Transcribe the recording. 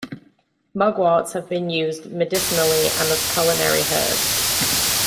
Mugworts have been used medicinally and as culinary herbs.